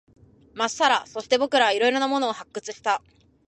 まっさら。そして、僕らは色々なものを発掘した。